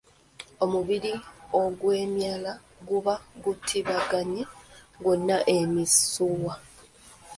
Omubiri ogwemyala guba gutimbaganye gwonna emisiwa.